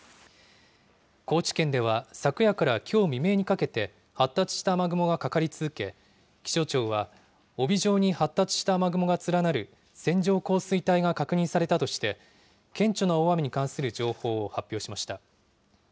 高知県では昨夜からきょう未明にかけて、発達した雨雲がかかり続け、気象庁は、帯状に発達した雨雲が連なる線状降水帯が確認されたとして、顕著な大雨に関する情報を発表しました。